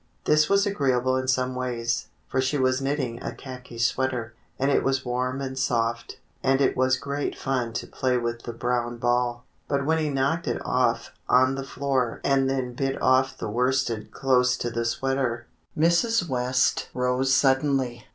This was agreeable in some ways, for she w^as knitting a khaki sw^eater, and it was warm and soft, and it was great fun to play with the brown ball; but when he knocked it off on the floor and then bit off the worsted close to the sweater, Mrs. West rose sud denly.